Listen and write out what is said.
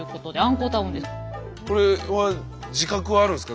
これは自覚はあるんすか？